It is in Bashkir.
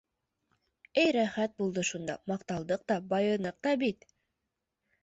Эй, рәхәт булды шунда: маҡталдыҡ та, байыныҡ та бит!